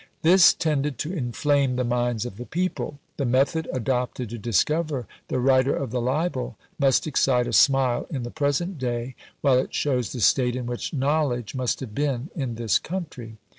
This tended to inflame the minds of the people. The method adopted to discover the writer of the libel must excite a smile in the present day, while it shows the state in which knowledge must have been in this country.